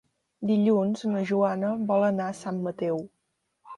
Dilluns na Joana vol anar a Sant Mateu.